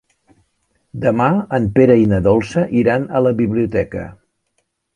Demà en Pere i na Dolça iran a la biblioteca.